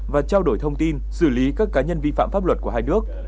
và trao đổi thông tin xử lý các cá nhân vi phạm pháp luật của hai nước